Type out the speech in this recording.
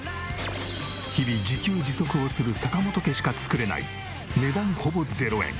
日々自給自足をする坂本家しか作れない値段ほぼ０円！